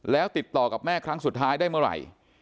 แล้วติดต่อกับแม่ครั้งสุดท้ายได้เมื่อไหร่